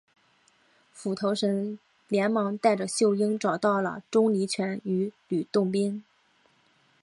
斧头神连忙带着秀英找到了钟离权与吕洞宾。